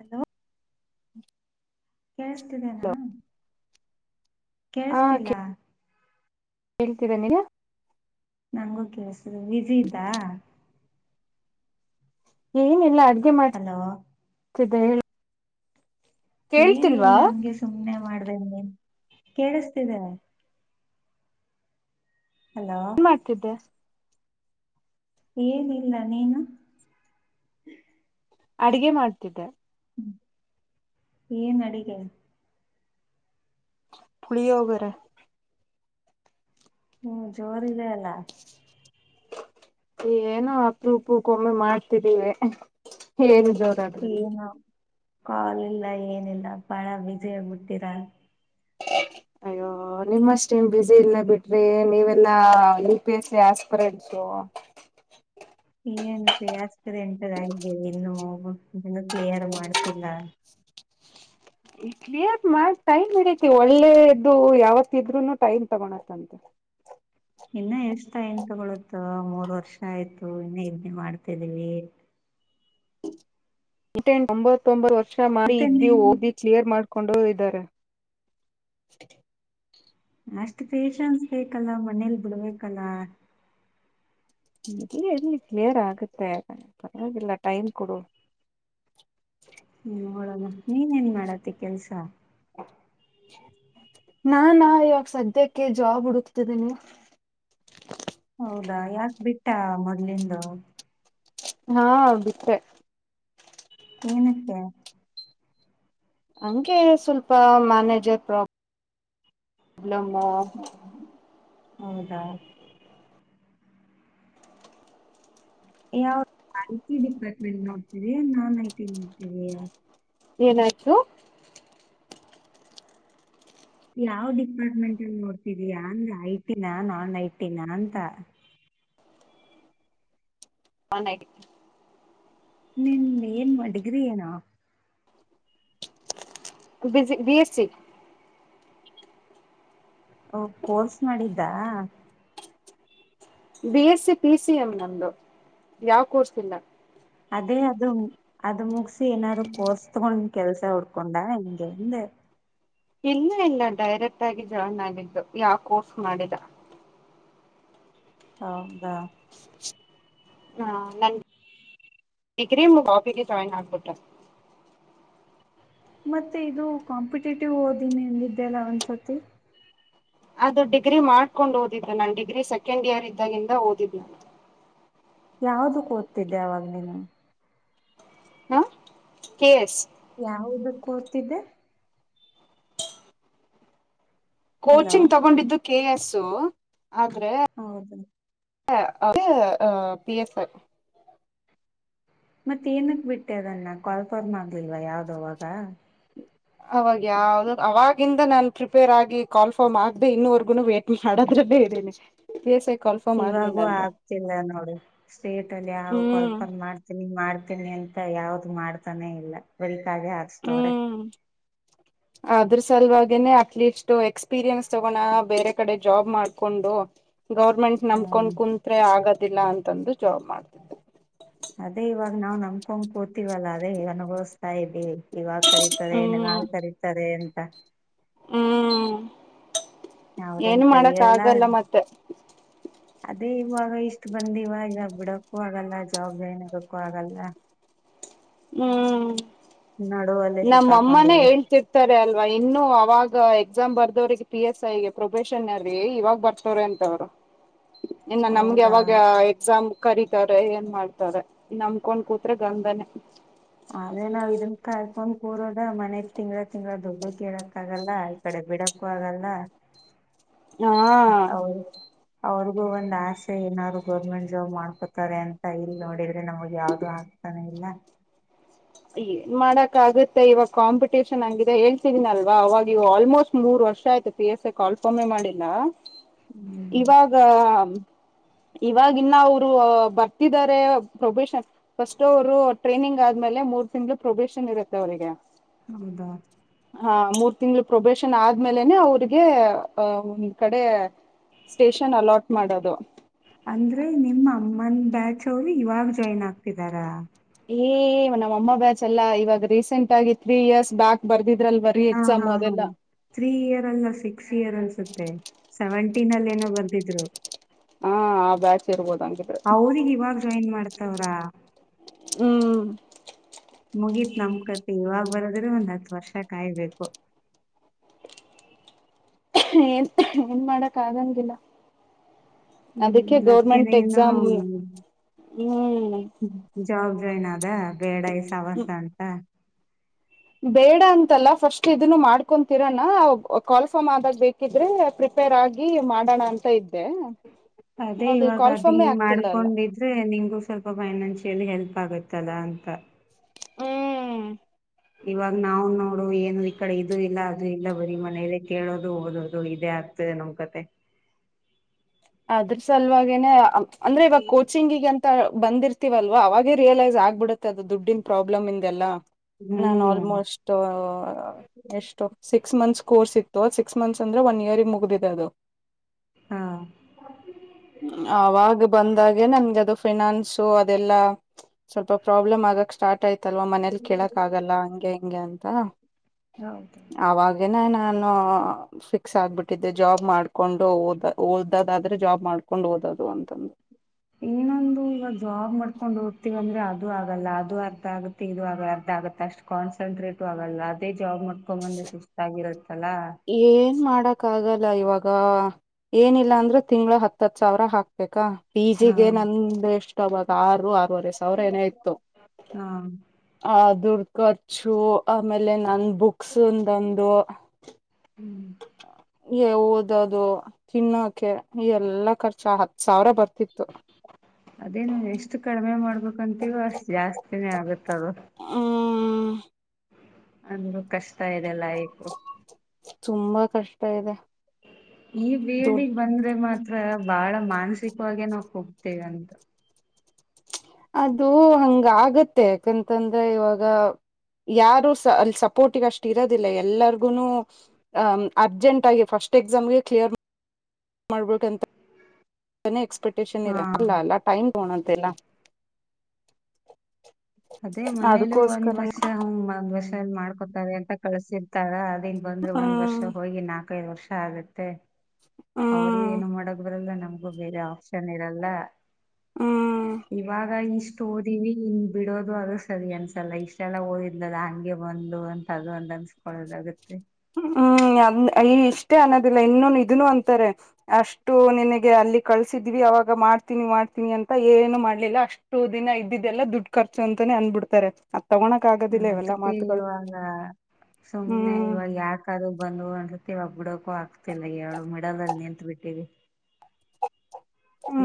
Hello ಹ್ಮ ಕೇೇಳಸ್ತಿದೆನಾ ಕೇೇಳಸ್ತಿಲ್ಲ ಹೇಳ್ತೀರ ನೀಿಲ್ಲಾ ನಂಗೂ ಕೇಳಸುದು ವಿಜಿ ಇದ್ದಾ ಏನಿಲ್ಲ ಅಡ್ಗೆ ಹಲೋ ಮಾಡತ ಹೇಳ ಕೇಳ್ತಿಲ್ವಾ ಏನಿಲ್ಲ ಹಂಗೆ ಸುಮ್ಮ್ನೆ ಮಾಡ್ದ ನೀನ್ ಕೇಳಿಸ್ತಿದೆ ಹಲೋ ಏನ್ ಮಾಡ್ತಿದ್ದೆ ಏನಿಲ್ಲ ನೀನು ಅಡಿಗೆ ಮಾಡ್ತಿದ್ದೆ ಹ್ಮ ಏನ್ ಅಡಗೆ ಪುಳಿಯೋಗರೆ ಹ್ಮ್ ಜೋರ್ ಇದೇ ಅಲ್ಲ ಏನೋ ಅಪುರಕ್ಕೊಮ್ಮೆ ಮಾಡ್ತಿದ್ದೀವಿ ಏನ ಜೋರ್. ಏನು ಕಾಲ ಇಲ್ಲ ಏನಿಲ್ಲ ಬಾಳ ಬಿಜಿ ಆಗ್ಬಿಟ್ಟಿರ. [unintelligible] ನಿಮ್ಮಷ್ಟು ನ್ ಬಿಜಿ ಇಲ್ಲ ಬಿಟ್ರಿ ನೀವೆಲ್ಲಾ ಯುಪಿಎಸ್‌ಸಿ ಆಸ್ಪರಂ ಸೋ ಏನ್ ಯಸ್ತದೆ ಎಂಟಿದ್ದೀವಿ ಇನ್ನು ಕ್ಲಿಯರ್ ಮಾಡ್ತಿಲ್ಲ ಕ್ಲಿಯರ್ ಮಾಡ ಟೈಮ್ ಏಕೆ ಒಳ್ಳೆದ್ದು ಯಾವತ್ತ ಇದ್ರುನು ಟೈಮ್ ತಗೋ ಆತಂತೆ ಇನ್ನ ಎಷ್ಟ ನ್ ತಗೊಳುತ್ತ ಮೂರ್ ವರ್ಷ ಆಯ್ತು ಇನ್ನ ಇದ್ನೇ ಮಾಡ್ತಿದೀವಿ ಬ್ರಿಟನ್ ಒಂಬತ್ತೊಂಬತ್ತು ವರ್ಷ ಮಾಡಿ ಮತ್ತೆ ಇದ್ದಿ ನೀನ್ ಓದಿ. ಕ್ಲಿಯರ್ ಮಾಡ್ಕೊಂಡು ಇದ್ದಾರೆ. ಅಷ್ಟು ಪೇಶನ್ಸ್ ಬೇಕಲ್ಲ ಮನೇಲಿ ಬಿಡ್ಬೇಕಲ್ಲ. ಇರ್ಲಿ ಇರ್ಲಿ ಕ್ಲಿಯರ್ ಆಗುತ್ತೆ ಕಣೇ ಪರ್ವಾಗಿಲ್ಲ ಟೈಮ್ ಕೊಡು. ಹ್ಮ ನೋಡೋಣ ನೀನೆನ್ ಏನ್ ಮಾಡತಿ ಕೆಲ್ಸ. ನಾನಾ ಇವಾಗ ಸದ್ಯಕ್ಕೆ ಜಾಬ್ ಹುಡುಕ್ತಿದೀನಿ. ಹೌದಾ ಯಾಕ ಬಿಟ್ಟ ಮೊದ್ಲಿಂದು. ಹಾ ಬಿಟ್ಟೆ. ಏನಕ್ಕೆ. ಹಂಗೆ ಸ್ವಲ್ಪ ಮ್ಯಾನೇಜರ್ ಪ್ರಾಬ್. ಪ್ರಾಬ್ಲಮ್ಮು. ಹ ಹೌದಾ. ಏ ಅವುರು ಐ ಟಿ ಡಿಪಾರ್ಟ್ಮೆಂಟ್ ನೋಡ್ತೀಯೋ ನಾನ್ ಐ ಟಿ ನೋಡ್ತೀಯೋ. ಏನಾಯ್ತು. ಯಾವ್ ಡಿಪಾರ್ಟ್ಮೆಂಟ್ ಅಲ್ಲಿ ನೋಡ್ತಿದಯಾ ಅಂದೆ ಐ ಟಿನ ನಾನ್ ಐ ಟಿ ನ ಅಂತ. One eighty. ನಿನ್ ಏನ್ ಡಿಗ್ರಿ ಏನು. ಬಿಜಿ ಬಿ ಎಸ್ ಸಿ. ಕೋರ್ಸ್ ಮಾಡಿದ್ದ. B S C P C M ನಮ್ದು ಯಾವ ಕೋರ್ಸ್ ಇಲ್ಲ. ಅದೇ ಅದು ಅದು ಮುಗಸಿ ಏನಾದ್ರು ಕೋರ್ಸ್ ತಗೊಂಡ ಕೆಲ್ಸ ಉಡ್ಕೊಂಡ ಹಂಗೆ. ಇಲ್ಲ ಇಲ್ಲ ಡೈರೆಕ್ಟ್ ಆಗಿ ಜಾಯ್ನ್ ಆಗಿದ್ದು ಯಾವ ಕೋರ್ಸ್ ಮಾಡಿದ. ಹೌದಾ ಹಾ ನನ್ ಈಗ್ರೀ ಮುಗಾಫಿಗೆ ಜಾಯಿನ್ ಆಗ್ಬಿಟೆ. ಮತ್ತೆ ಇದು ಕಾಂಪಿಟೇಟಿವ್ ಓದಿನಿದ್ದ ಅಲ್ಲ ಒಂದ್ಸತಿ ಅದು ಡಿಗ್ರಿ ಮಾಡ್ಕೊಂಡ್ ಓದಿದ್ರು ನಾನ್ ಡಿಗ್ರಿ ಸೆಕೆಂಡ್ ಇಯರ್ ಇದ್ದಾಗಿಂದ ಓದಿದ್ ನಾನು. ಯಾವ್ದ ಕ ಓ್ತದ್ದೆ ಅವವಾಗ ನೀನು ಹಾ ಕೆ ಎಸ್ ಯಾವುದುಕ್ ಓದ್ತಿದ್ದೆ. ಹಲೋ ಕೋಚಿಂಗ್ ತಗೊಂಡಿದ್ದು ಕೆ ಎಸ್ ಆದ್ರೆ. ಹೌದು. [unintelligible] ಅದೇ ಪಿ ಎಸ್. ಮತ್ತೇ ಏನಕ್ ಬಿಟ್ಟೆ ಅದನ್ನ ಕಾಲ್ಪರ್ಮ್ ಆಗ್ಲಿಲ್ವಾ ಯಾವ್ದು ಅವಾಗ. ಅವಾಗ ಯಾವ್ದ ಅವಾಗಿಂದ ನಾನ್ ಪ್ರಿಪೇರ್ ಆಗಿ ಕಾಲ್ ಫಾರ್ಮ್ ಆಗ್ದೇ ಇನ್ನವರ್ಗು ವೇಟ್ ಮಾಡೋದ್ರಲ್ಲೇ ಇದ್ದೀನಿ. [inaudible] ಆಗ್ಲಿಲ್ಲ ಇವಾಗೂ ಅಲ್ವಾ ಆಗ್ತಿಲ್ಲ ನೋಡು ಸ್ಟೇಟ್ ಅಲ್ಲಿ ಯಾವ ಹ್ಮ್ ಕಾಲ್ಲಫಾರ್ಮ್ ಮಾಡ್ ತಿನಿ ಮಾಡ್ತೀನಿ ಅಂತ ಯಾವ್ದ್ ಮಾಡ್ತಾನೆ ಇಲ್ಲ ಬರಿಕಾಗೆ ಹಾಕ್ಸ್ತವ್ರೆ. ಹ್ಮ್. ಅದ್ರ ಸಲುವಾಗೇನೆ ಅಟ್ಲೀಸ್ಟ್ ಎಕ್ಸ್ಪೀರಿಯನ್ಸ್ ತಗೋಣ ಬೇರೆ ಕಡೆ ಜಾಬ್ ಮಾಡ್ಕೊಂಡು. ಗೌರ್ಮೆಂಟ್ ಹ್ಮ್ ನಮಕೊಂಡ್ ಕುಂತರೆ ಆಗದಿಲ್ಲ ಅಂತಂದು ಜಾಬ್ ಮಾಡ್ತಿ ಅದೇ ಇವಾಗ ನಾವು ನಮಕೊಡ್ ಕೂತೀವಲ್ಲ ಅದೇ ಅನುಬವ್ಸ್ತಾ ಇದ್ದೀವಿ. ಇವಾಗ ಕರೀತಾರೆ ಏನ ಹ್ಮ್ ಕರೀತಾರೆ ಅಂತ. ಹ್ಮ್ ಅವ್ರೇನ್ ಏನ್ ಮಾಡಕ್ ಕರಿಯಲ್ಲ ಆಗಲ್ಲ ಮತ್ತೆ. ಅದೇ ಇವಾಗ ಇಷ್ಟು ಬಂದಿವ ಈಗ ಬಿಡಕ್ಕೂ ಆಗಲ್ಲ ಜಾಬ್ ಜಾಯಿನ್ ಆಗಕ್ಕೂ ಆಗಲ್ಲ. [inaudible] ಹ್ಮ್. ನಡುವ ನಮ್ಮಮನೆ ಹೇಳ್ತಿ ರ್ತಾರೆ ಅಲ್ವಾ ಇನ್ನು ಅವಾಗ ಎಕ್ಸಾಮ್ ಬರ್ದವ್ರಿಗೆ ಪಿ ಎಸ್ ಐಗೆ ಪ್ರೊಬೆಷನ್ ಅಲ್ಲಿ ಇವಾಗ ಬರ್ತವ್ರ ಅಂತವ್ರು. [inaudible] ಇನ್ನು ನಮ್ಗ ಹೌದಾ ಯಾವಾಗ ಎಕ್ಸಾಮ್ ಕರೀತಾರೆ ಏನ್ ಮಾಡ್ತಾರೆ ನಮಕೊಂಡ್ ಕೂತ್ರೆೆ ಗಂಧನೇ. ಆದ್ರೆ ನಾವ್ ಇದನ್ ಕಾಯಕೊಂಡ್ ಕೂರದ ಮನೆಲಿ ತಿಂಗಳ ತಿಂಗ್ಗಳ ದೊಡ್ಡು ಕೇಳಕ್ ಆಗಲ್ಲ. ಆಯ ಇ ಕಡೆ ಬಿಡಕ್ಕೂ ಆಗಲ್ಲ. ಹಾ ಹೌ ಅವ್ರಗು ಒಂದ್ ಆಸೆ ಏನಾದ್ರು ಗೌರ್ಮೆಂಟ್ ಜಾಬ್ ಮಾಡ್ಕೊತಾರೆ ಅಂತ. ಇಲ್ ನೋಡಿದ್ರೆ, ಮತ್ತೆ ನಮ್ಗೆ ಯಾವ್ದು ಆಗ್ತಾನೆ ಇಲ್ಲ. ಏನ್ ಮಾಡಕ್ ಆಗತ್ತೆ ಇವಾಗ ಕಾಂಪಿಟೇಷನ್ ಹಂಗಿದೆ. ಹೇಳ್ತೀನಲ್ವ ಅವಾಗ ಇವ ಆಲ್ಮೋಸ್ಟ್ ಮೂರ್ ವರ್ಷ ಆಯ್ತು ಪಿ ಎಸ್ ಎ ಕಾಲ್ಫೊಮೆ ಮಾಡಿಲ್ಲ. ಹ್ಮ್ ಇವಾಗ, ಇವಾಗ ಇನ್ನ ಅವರು ಬರ್ತಿದ್ದಾರೆ. ಪ್ರೊಬಷನ್ ಫಸ್ಟ್ ಅವರು ಟ್ರೈನಿಂಗ್ ಆದ್ಮೇಲೆ ಮೂರ್ ತಿಂಗಳು ಪ್ರೊಬೇಶನ್ ಇರುತ್ತೆ ಅವ್ರರಿಗೆ. ಹೌದಾ, ಹಾ ಮೂರ್ ತಿಂಗಳ್ ಪ್ರೊಬೇಶನ್ ಆದ್ಮೇಲೆನೆ, ಅವ್ರಿಗೆ ಅ ಒಂದ್ ಕಡೆ, ಸ್ಟೇಷನ್ ಅಲೌಟ್ ಮಾಡೋದು. ಅಂದ್ರೆ ನಿಮ್ಮ ಅಮ್ಮನ್ ಬ್ಯಾಚ್ ಅವ್ರು ಇವಾಗ ಜಾಯಿನ್ ಆಗ್ತಿದಾರ. ಏ ನಮ್ಮ್ ಅಮ್ಮ ಬ್ಯಾಚ್ ಅಲ್ಲ ಇವಾಗ ರೀಸೆಂಟ್ ಆಗಿ ತ್ರೀ ಇಯರ್ಸ್ ಬ್ಯಾಕ್ ಬರ್ದಿದ್ರಲ್ವ್. ಹಾ, ಹಾ, ಹಾ ತ್ರೀ ಇಯರ್ ಅಲ್ಲ ಸಿಕ್ಸ್ ಇಯರ್ ಅನ್ಸುತ್ತೆ ಸೆವೆಂಟೀನ್ ಅಲ್ಲಿ ಏನೋ ಬರ್ದಿದ್ರು. ಹಾ ಆ ಬ್ಯಾಚ್ ಇರ್ಬೋದ ಹಂಗಿದ್ರೆ. ಜಾಯಿನ್ ಮಾಡ್ತಾವ್ರಾ, ಹ್ಮ. ಮುಗೀತ್ ನಮ ಕತೆ ಇವಾಗ್ ಬರದ್ರೆ ಒಂದ್ ಹತ್ತ ವರ್ಷ ಕಾಯ್ಬೇಕು. ಏನ್ ಏನ್ ಮಾಡಕ್ ಆಗಂಗಿಲ್ಲ. ಅದಕ್ಕೆ ಹ್ಮ್ ಅದ್ಕನೆ ಗೌರ್ಮೆಂಟ್ ಏನಾ, ಎಕ್ಸಾಮ್ ಹ್ಮ್ ಜಾಬ್ ಜಾಯಿನ್ ಆದ ಬೇಡ ಈ ಸವಾಸ ಅಂತ. ಬೇಡ ಅಂತಲ್ಲ ಫಸ್ಟ್ ಇದನ್ನು ಮಾಡ್ಕೊಂತಿರಣ. ಕ್ವಾಲ್ಫರ್ಮ್ ಆದಾಗ ಬೇಕ ಕಿದ್ರೆ ಪ್ರಿಪೇರ್ ಆಗಿ ಮಾಡಣ ಅಂತ ಇದ್ದೆ. ಅದೇ ಅದು ಇವಾಗ ಅದ್ ಕಾಲ್ಫಾರ್ಮೇ ಹಿಂಗ್ ಆಗ್ತಿಲ್ಲ ಅಲ್ಲ ಮಾಡ್ಕೊಂಡಿದ್ ಆದ್ರೆ ನಿಮಗೂ ಸ್ವಲ್ಪ ಫೈನಾನ್ಷಿಯಲ್ ಹೆಲ್ಪ್ ಆಗುತ್ತಲ್ಲ ಅಂತ ಹ್ಮ ಇವಾಗ ನಾವು ನೋಡು ಏನು ಈ ಕಡೆ ಇದು ಇಲ್ಲ ಅದು ಇಲ್ಲ ಬರೀ ಮನದ ಕೇಳೋದು ಓದೋದು ಇದೇ ಆಗ್ತ ನಮ್ ಕತೆ ಅದ್ರ ಸಲುವಾಗೇನೆ ಅಂದ್ರೆ ಇವಾಗ ಕೋಚಿಂಗಗಂತ- ಬಂದಿರ್ತೀವಲ್ವಾ ಅವಾಗೇ ರಿಯಲೈಸ್ ಆಗ್ಬಿಡುತ್ತೆ ಅದು ದುಡ್ಡಿನ ಪ್ರಾಬ್ಲಮ್ ಇಂದ ಎಲ್ಲಾ ನಾನ್ು ಹ್ಮ್ ಆಲ್ಮೋಸ್ಟ್ ಎಷ್ಟು ಸಿಕ್ಸ್ ಮಂತ್ಸ್ ಕೋರ್ಸ್ ಇತ್ತು ಸಿಕ್ಸ್ ಮಂತ್ಸ್ ಅಂದ್ರೆ ಒನ್ ಇಯರ್ ಮುಗ್ದಿದೆ ಅದು ಹಾ ಅವಾಗ ಬಂದಾಗೆ ನನ್ಗ ಅದು ಫನಾನ್ಸು ಅದೆಲ್ಲಾ ಸ್ವಲ್ಪ ಪ್ರಾಬ್ಲಮ್ ಆಗಕ್ ಸ್ಟಾರ್ಟ್ ಆಯ್ತಲ್ವಾ ಮನೇಲಿ ಕೇಳಕ್ ಆಗಲ್ಲ ಹಂಗೆ ಹಿಂಗೆ ಅಂತ ಹೌದು ಅವಾಗನ ನಾನು ಫಿಕ್ಸ್ ಆಗ್ಬಿಟ್ಟಿದ್ದೆ ಜಾಬ್ ಮಾಡ್ಕೊಂಡುದ ಅದಾದ್ರೆ ಜಾಬ್ ಮಾಡ್ಕೊಂಡು ಓದೋದು ಅಂತಂದು ಏನೊಂದು ಈವ ಜಾಬ್ ಮಾಡ್ಕೊಂಡು ಓದ್ತಿೀವಂದ್ರೆ ಅದು ಆಗಲ್ಲ ಅದು ಅರ್ಥ ಆಗುತ್ತ ುವಾಗ ಅರ್ಧ ಆಗತ್ತೆ ಅಷ್ಟ್ ಕಾನ್ಸಂಟ್ರೇಟು ಆಗಲ್ಲ ಅದೇ ಜಾಬ್ ಮಾಡ್ಕೊಂಬಂದ ಸುಸ್ತಾಗಿರತ್ತಲ್ಲಾ ಏನ್ ಮಾಡಕ್ ಆಗಲ್ಲ ಇವಾಗ ಏನಿಲ್ಲ ಅಂದ್ರೆ ತಿಂಗಳ ಹತ್ತತ್ ಸಾವಿರ ಹಾಕ್ಬೇಕಾ ಹಾ ಪಿಜಿಗೆ ನಂದ ಎಷ್ಟ ಅವಾಗ ಆರು ಆರೂವರೆ ಸಾವಿರ ಏನೇ ಇತ್ತು ಹಾ ಆ ದುಡ್ ಖರ್ಚು ಆಮೇಲೆ ನನ್ ಬುಕ್ಸ್ಂದೊಂದು ಹ್ಮ್ ಓದೋದು ತಿನ್ನೋಕೆ ಈ ಎಲ್ಲ ಖರ್ಚ ಹತ್ತು ಸಾವಿರ ಬರ್ತಿತ್ತು. ಅದೇ ಎಷ್ಟು ಕಡಿಮೆ ಮಾಡ- ಹ ಕಂತೀಗ ಅಷ್ಟ ಜಾಸ್ತಿನೇ ಆಗತ್ತದು- ಹ್ಮ್ ಅಂದೂ ಕಷ್ಟ ಇದೆಲ್ಲ ಕು- ತುಂಬಾ ಕಷ್ಟ ಇದೆ ಈ ದುಡ್ಡು ಬೇಳಿಗೆ ಬಂದ್ರೆ ಮಾತ್ರ ಬಾಳ ಮಾನಸಿಕವಾಗೇ ನಾವು ಹೋಗ್ತೇವೆ ಅಂತ. ಅದು ಹಂಗ ಆಗತ್ತೆ ಯಾಕಂತಂದ್ರೆ ಇವಾಗ- ಯಾರು ಸ ಅಲ್ಲಿ ಸಪೋರ್ಟಿಿಗೆ ಅಷ್ಟ್ ಇರೋದಿಲ್ಲ ಎಲ್ಲರಿಗುನು ್ ಅರ್ಜೆಂಟ್ ಆಗ ಫಸ್ಟ್ ಎಕ್ಸಾಮ್ಗೆ ಕ್ಲಿಯರ್ ಮಾಡ್ಬೇಕಂತ ಎಕ್ಸ್ಪೆಕ್ಟೇಷನ್ ಇರ ಹಾ ಅಲ್ಲ ಅಲ್ಲ ಟೈನ್ ಪಣದಲ್ಲ ಅದೇ ಮನೇಲ ಒಂದ್ ವರ್ಷ ಹ ಒಂದ್ ವರ್ಷ ಮಾಡ್ಕೊತಾರೆ ಅಂತ ಕಳ್ಸಿರ್ತಾರ ನ್ ಬಂದ್ ಒಂದ್ ವರ್ಷ ಹ್ಮ್ ಹೋಗಿ ನಾಲ್ಕೈದು ವರ್ಷ ಆಗುತ್ತೆ ಅವ್ರ ಹ್ಮ್ ಏನು ಮಾಡಕ್ ಬರಲ್ಲ ನಮ್ಗೂ ಬೇರೆ ಆಪ್ಷನ್ ಇರಲ್ಲ ಹ್ಮ್ ಇವಾಗ ಇಷ್ಟು ಓಡಿದೀನಿ ಬಿಡೋದು ಅದು ಸರಿ ಅನ್ಸಲ್ಲ ಇಷ್ಟೆಲ್ಲ ಓದಿದದ ಹಂಗೆ ಬಂದು ಅಂತ ಅದು ಅಂದು ಅನ್ಸ್ಕೊಳ್ಳೋದಾಗತ್ತೆ ಹ್ಮ್ ಅ ಇಷ್ಟೇ ಅನ್ನೋದಿಲ್ಲ ಇನ್ನೂ ಇದನು ಅಂತಾರೆ ಅಷ್ಟು ನಿನಗೆ ಅಲ್ಲಿ ಕಳ್ಸಿದ್ವಿ ಅವಾಗ ಮಾಡ್ತೀನಿ ಮಾಡ್ತೀನಿ ಅಂತ ಏನು ಮಾಡ್ಲಿಲ್ಲ ಅಷ್ಟ ೋ ದಿನ ಇದ್ದಿದ್ದ ಎಲ್ಲ ದುಡ್ಡು ಖರ್ಚು ಅಂತಾನೇ ಆಂಡ್ಬಿಡ್ತಾರೆ ಅ ತಗೋಳ ಅದಕ್ಕೆ ಇವಾಗ ಸುಮ್ಮ್ನೆ ಹ್ಮ್ ಇವಾಗ ಯಾಕೆ ಅದು ಬಂದ ಅನ್ಸತಿವ ಬಿಡಕು ಆಗ್ತಿಲ್ಲ ಎಏಳು ಮಿಡಲ್ಲ್ಲಿ ನಿಂತತ್ ಬಿಟ್ಟಿ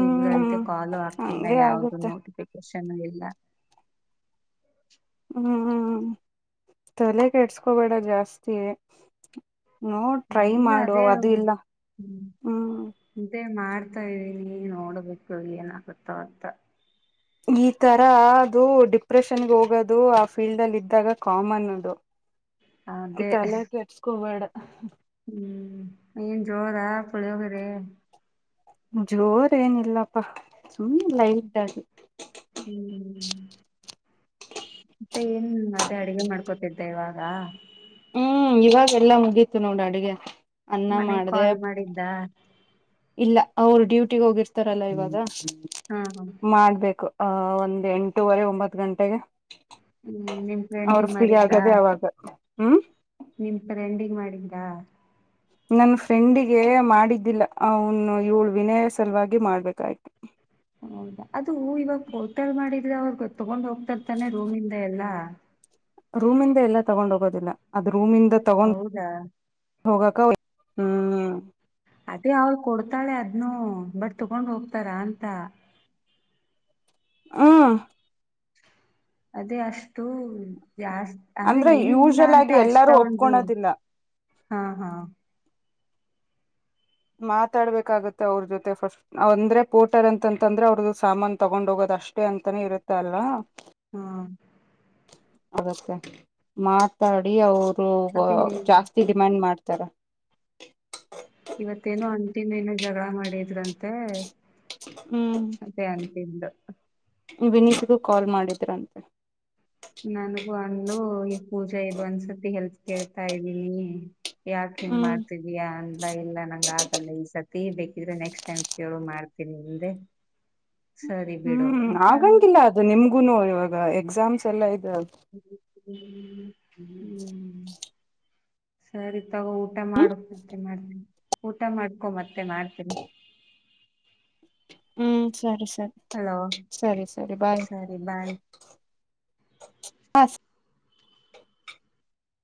ಇವಗಳಂತೆ ಕಾಾಲ ಆಗ್ತಿಲ್ಲ ಹಂಗೆ ಯಾವ್ದು ಆಗುತ್ತೆ ನೋಟಿಫಿಕೇಶನ್ ಇಲ್ಲ ಹ್ಮ್ ತಲೆ ಕೆಡ್ಸ್ಕೋಬೇಡ ಜಾಸ್ತಿ ನೋಡ್ ಟ್ರೈ ಇಲ್ಲ ಮಾಡು ಅದೇ ಅದು ಇಲ್ಲ ಹ್ಮ್. ಅದೇ ಮಾಡ್ತಾ ಇದ್ದೀನಿ ನೋಡ್ಬೇಕು ಏನಾಗುತ್ತೋ ಅಂತ. ಈ ತರ ಅದು ಡಿಪ್ರೆಷನ್ಗೆ ಹೋಗೋದು ಆ ಫೀಲ್ಡ್ ಅಲ್ಲಿ ಇದ್ದಾಗ ಕಾಮನ್ ಅದು. ಹಾ [inaudible] ತಲೆ ಕೆಡ್ಸ್ಕೊಬೇಡ. ಹ್ಮ್ ಏನ್ ಜೋರ ಪುಳಿಯೋಗರೆ? ಜೋರ ಏನಿಲ್ಲಪ್ಪಾ ಸುಮ್ ಲೈಟ್ ಆಗಿ. ಹ್ಮ್ ಹ್ಮ್ ಮತ್ತೆ ಏನ್ ಅದೇ ಅಡಗೆ ಮಾಡ್ಕೊತಿದ್ದಾ ಇವಾಗ. ಹ್ಮ್ ಇವಾಗೆಲ್ಲಾ ಮುಗೀತು ನೋಡು ಅಡ್ಗೆ. ಮನೆಗ್ ಕಾಲ್ ಮಾಡಿದ್ದ? ಇಲ್ಲ ಅವ್ರು ಡ್ಯೂಟಿಗೆ ಹೋಗಿರ್ತಾರಲ್ಲ ಇವಾಗ. ಹಾ ಹಾ ಮಾಡ್ಬೇಕು ಆ ಒಂದ್ ಎಂಟವರೆ ಒಂಬತ್ ಗಂಟೆಗೆ. ಹ್ಮ್ ನಿಮ್ ಅವ್ರು ಫ್ರೆಂಡಿಗ್ ಫ್ರೀ ಮಾಡಿದ್ದ ಆಗದೆೇ ಅವಾಗ ಹ್ಮ್. ನಿಮ್ ಫ್ರೆಂಡಿಂಗ್ ಮಾಡಿದ್ದಾ? ನನ್ ಫ್ರೆಂಡಿಗೆ ಮಾಡಿದ್ದಿಲ್ಲ ಅವನು ಇವ್ಳು ವಿನೆಯ ಸಲುವಾಗಿ ಮಾಡ್ಬೇಕಾಯ್ತು. ಹೌದಾ ಅದು ಇವಾಗ ಹೋಟೆಲ್ ಮಾಡಿದ್ರೆ ಅವ್ರ ತಗೊಂಡ್ ಹೋಗ್ತರ್ತಾನೆ ರೂಮಿಂದ ಎಲ್ಲಾ. ರೂಮಿಂದ ಎಲ್ಲಾ ತಗೊಂಡ್ ಹೋಗೋದಿಲ್ಲ ಅದು ರೂಮಿಂದ ತಗೊಂಡ್ ಹೌದಾ ಹೋಗಕ ಹ್ಮ್ ಅದೇ ಅವ್ಳ್ ಕೊಡ್ತಾಳೆ ಅದ್ನು ಬಟ್ ತಗೊಂಡ್ ಹೋಗ್ತಾರ ಅಂತ. ಹಾ ಅದೇ ಅಷ್ಟು ಜಾಸ್ ಅಂದ್ರೆ ಏನು ಇಲ್ಲ ಯೂಶಲ್ ಆಗಿ ಅಂತೆ ಅಷ್ಟ ಎಲ್ಲಾರೂ ಒಂದು. ಒಪ್ಕೊಳೋದಿಲ್ಲ ಹಾ ಹಾ ಮಾತಾಡ್ಬೇಕಾಗತ್ತೆ ಅವ್ರ್ ಜೊತೆ ಫಸ್ಟ್. ಅಂದ್ರೆ ಪೋಟರ್ ಅಂತಂತಂದ್ರೆ ಅವ್ರದ್ದು ಸಾಮಾನ್ ತಗೊಂಡ್ ಹೋಗೋದು ಅಷ್ಟೇ ಅಂತಾನೇ ಇರುತ್ತ ಅಲ್ಲ. ಹಾಂ ಆಗತ್ತೆ ಮಾತಾಡಿ ಅವರು ಅದೇ ಜಾಸ್ತಿ ಡಿಮ್ಯಾಂಡ್ ಮಾಡ್ತಾರೆ. ಇವತ್ತೇನೋ ಅಂಟಿ ಮೇಲೆನ್ ಜಗಳ ಮಾಡಿದ್ರಂತೆ. ಹ್ಮ್ ಅದೇ ಅಂಟಿದ್ಲು ವಿನೀತ್ಗೂ ಕಾಲ್ ಮಾಡಿದ್ರಂತೆ. ನನಗೂ ಅಂದ್ಲೂ ಈ ಪೂಜಾ ಇದು ಒಂದ್ಸತಿ ಹೆಲ್ತ್ ಕೇಳ್ತಾ ಇದ್ದೀನಿ. ಯಾಕ್ ಹಂಗ್ ಹ್ಮ್ ಮಾಡ್ತಿ ಯ ಅಲ್ಲ ಇಲ್ಲ ನಂಗ್ ಆಗಲ್ಲ ಈ ಸತಿ ಬೇಕಿದ್ರೆ ನೆಕ್ಸ್ಟ್ ಟೈಮ್ ಕೇಳು ಮಾಡ್ತೀನಿ ಅಂದೆ. ಸರಿ ಬಿಡು ಹ್ಮ್ ಅಂತ ಅಂದ್ಲು. ಆಗಂಗಿಲ್ಲ ಅದು ನಿಮ್ಗುನು ಇವಾಗ ಎಕ್ಸಾಮ್ಸ್ ಎಲ್ಲಾ ಇದ ಹ ಸರಿ ತಗೋ ಊಟ ಹ್ಮ್ ಮಾಡು ಮತ್ತೆ ಮಾಡ್ತೀ ಊಟ ಮಾಡ್ಕೊ ಮತ್ತೆ ಮಾಡ್ತೀನಿ. ಹ್ಮ್ ಸರಿ ಸರಿ. ಹಲೋ ಸರಿ ಸರಿ ಬಾಯ್ ಸರಿ ಬಾಯ್.